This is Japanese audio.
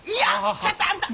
ちょっとあんた！